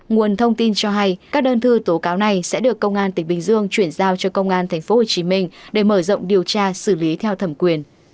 nguồn thông tin cho hay các đơn thư tố cáo này sẽ được công an tỉnh bình dương chuyển giao cho công an tp hcm để mở rộng điều tra xử lý theo thẩm quyền